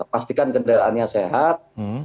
pastikan kendaraannya sehat